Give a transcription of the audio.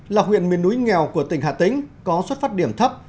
là huyện miền núi nghèo của tỉnh hà tĩnh có xuất phát điểm thấp